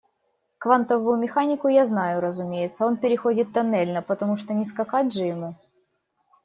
Квантовую механику я знаю, разумеется, он переходит тоннельно, потому что не скакать же ему.